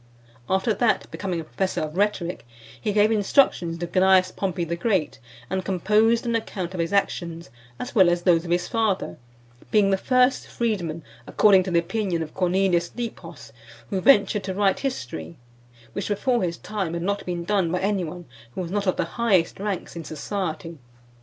After that, becoming a professor of rhetoric, he gave instructions to Cneius Pompey the Great, and composed an account of his actions, as well as of those of his father, being the first freedman, according to the opinion of Cornelius Nepos , who ventured to write history, which before his time had not been done by any one who was not of the highest ranks in society.